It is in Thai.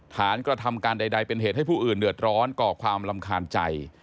กระทำการใดเป็นเหตุให้ผู้อื่นเดือดร้อนก่อความรำคาญใจ